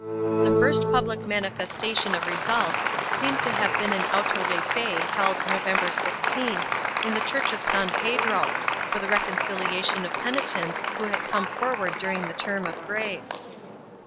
The first public manifestation of results seems to have been an auto de fe held November 16th, in the church of San Pedro, for the recon ciliation of penitents who had come forward during the Term of Grace.